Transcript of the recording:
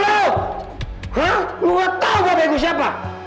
lo gak tau gue bengkak siapa